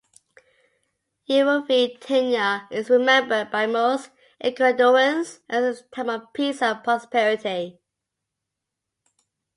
Yerovi tenure is remembered by most Ecuadoreans as a time of peace and prosperity.